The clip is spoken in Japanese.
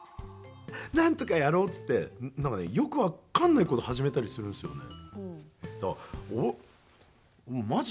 何とかやろうってよく分かんないこと始めたりするんですよね。